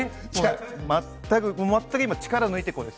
全く今、力を抜いて、こうです。